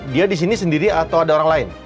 dia di sini sendiri atau ada orang lain